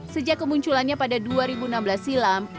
sejak kemunculannya pada dua ribu enam belas silam